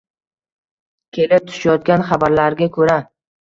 Kelib tushayotgan xabarlarga ko‘ra